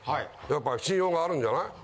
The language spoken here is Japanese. やっぱ信用があるんじゃない？